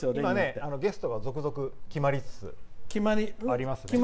今、ゲストが続々、決まりつつあります。